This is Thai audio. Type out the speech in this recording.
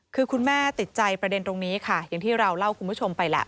คือคุณแม่ติดใจประเด็นตรงนี้ค่ะอย่างที่เราเล่าคุณผู้ชมไปแหละ